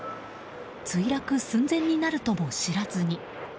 墜落寸前になるとも知らずに。